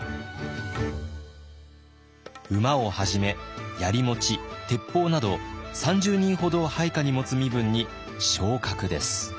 馬をはじめやり持ち鉄砲など３０人ほどを配下に持つ身分に昇格です。